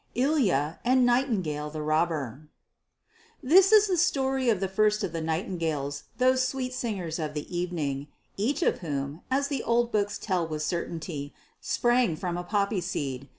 ILYA AND NIGHTINGALE THE ROBBER This is the story of the first of the nightingales, those sweet singers of the evening, each of whom, as the old books tell with certainty, sprang from a poppy seed.